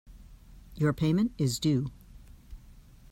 Your payment is due.